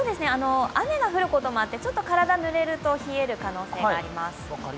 雨が降ることもあって、ちょっと体がぬれると冷える可能性があります。